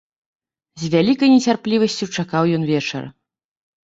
З вялікай нецярплівасцю чакаў ён вечара.